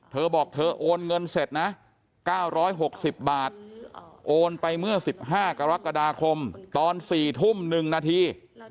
เธอบอกเธอโอนเงินเสร็จนะ๙๖๐บาทโอนไปเมื่อ๑๕กรกฎาคมตอน๔ทุ่ม๑นาที